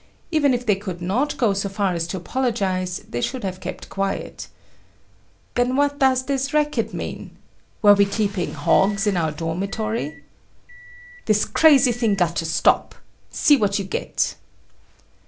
Even if they could not go so far as to apologize they should have kept quiet. Then what does this racket mean? Were we keeping hogs in our dormitory? "This crazy thing got to stop. See what you get!"